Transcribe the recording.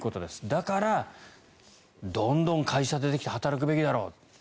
だからどんどん会社に出てきて働くべきだろう